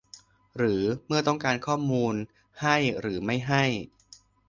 หรือ เมื่อต้องการข้อมูล ให้หรือไม่ให้